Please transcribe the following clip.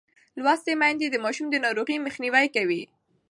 لوستې میندې د ماشوم د ناروغۍ مخنیوی کوي.